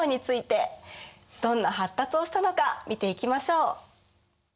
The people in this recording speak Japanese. どんな発達をしたのか見ていきましょう！